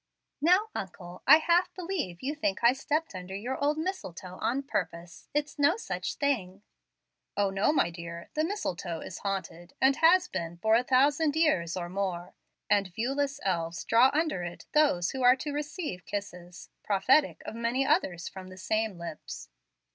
"Now, uncle, I half believe you think I stepped under your old mistletoe on purpose. It's no such thing." "O, no, my dear. The mistletoe is haunted, and has been for a thousand years or more, and viewless elves draw under it those who are to receive kisses, prophetic of many others from the same lips."